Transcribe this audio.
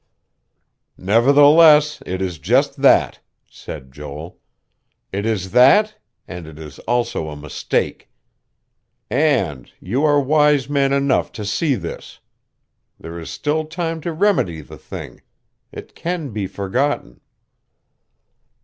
"Nevertheless, it is just that," said Joel. "It is that, and it is also a mistake. And you are wise man enough to see this. There is still time to remedy the thing. It can be forgotten."